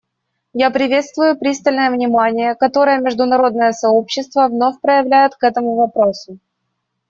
Я приветствую пристальное внимание, которое международное сообщество вновь проявляет к этому вопросу.